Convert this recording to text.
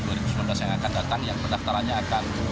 yang akan datang yang pendaftarannya akan